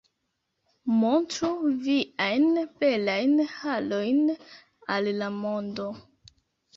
Montru viajn belajn harojn al la mondo